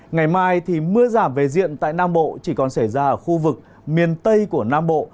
ngày mai thì mưa giảm về diện tại nam bộ chỉ còn xảy ra ở khu vực miền tây của nam bộ